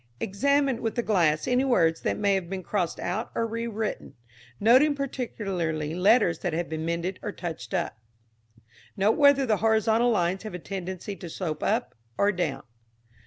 Examine with the glass any words that may have been crossed out or rewritten, noting particularly letters that have been mended or touched up. Note whether the horizontal lines have a tendency to slope up or down.